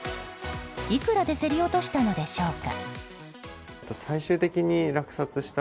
いくらで競り落としたのでしょうか。